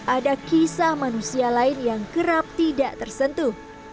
ada kisah manusia lain yang kerap tidak tersentuh